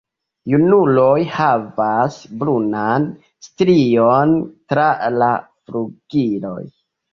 Junuloj havas brunan strion tra la flugiloj.